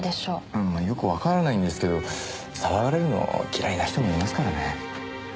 うんまあよくわからないんですけど騒がれるの嫌いな人もいますからね。